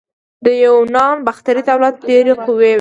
د یونانو باختري دولت ډیر قوي و